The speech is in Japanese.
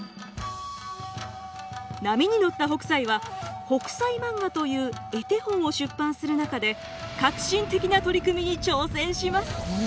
波に乗った北斎は「北斎漫画」という絵手本を出版する中で革新的な取り組みに挑戦します。